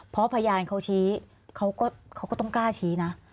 เพราะพยานเขาชี้เขาก็ต้องกล้าชี้นะ